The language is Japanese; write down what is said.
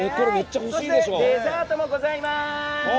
そして、デザートもございます。